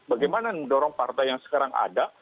bagaimana mendorong partai yang sekarang ada